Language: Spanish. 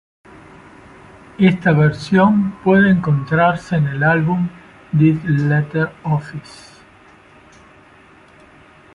Esta versión puede encontrarse en el álbum "Dead Letter Office".